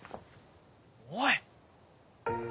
おい！